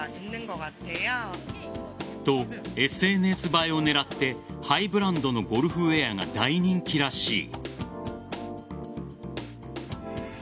と、ＳＮＳ映えを狙ってハイブランドのゴルフウェアが大人気らしい。